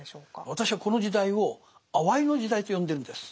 私はこの時代を「あわい」の時代と呼んでるんです。